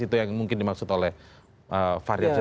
itu yang mungkin dimaksud oleh fahri hamzah